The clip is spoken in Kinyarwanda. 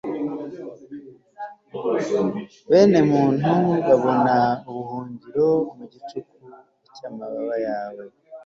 bene muntu babona ubuhungiro mu gicucu cy'amababa yawe